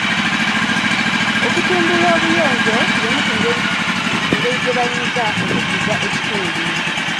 Okutumbula obuyonjo y'emu ku ngeri gye bayinza okuddiza ekitundu.